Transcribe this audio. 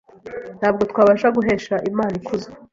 Ntabwo twabasha guhesha Imana ikuzo